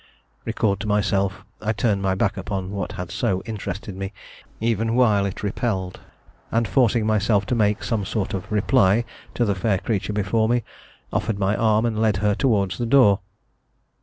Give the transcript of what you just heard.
Recalled to myself, I turned my back upon what had so interested me even while it repelled, and forcing myself to make some sort of reply to the fair creature before me, offered my arm and led her toward the door.